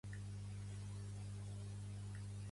Es troba al sud-oest de Brescia, al riu Mella.